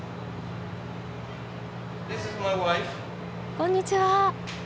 こんにちは。